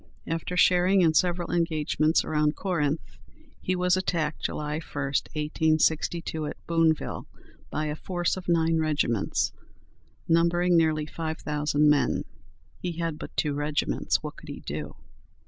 After sharing in several engagements around Corinth, he was attacked July 1, 1862, at Booneville, by a force of nine regiments, numbering nearly five thousand men. He had but two regiments! What could he do?